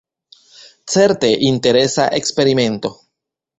Certe interesa eksperimento.